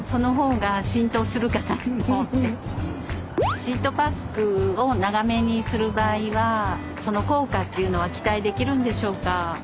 シートパックを長めにする場合はその効果というのは期待できるんでしょうか？